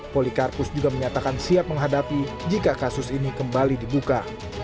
polikarpus juga menyatakan siap menghadapi jika kasus ini kembali dibuka